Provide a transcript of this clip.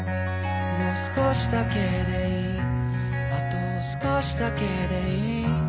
もう少しだけでいいあと少しだけでいい